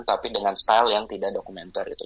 tapi dengan style yang tidak dokumenter gitu